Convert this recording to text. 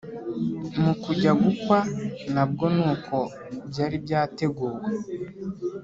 Mu kujya gukwa na bwo nuko byari byateguwe